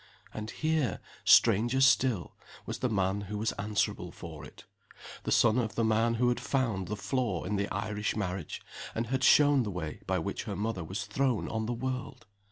And here, stranger still, was the man who was answerable for it the son of the man who had found the flaw in the Irish marriage, and had shown the way by which her mother was thrown on the world!